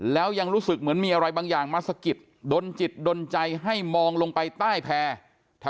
แล้วยังรู้สึกเหมือนมีอะไรบางอย่างมาสะกิดนจิตดนใจให้มองลงไปใต้แพร่